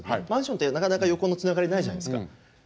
マンションってなかなか横のつながりないじゃないですか。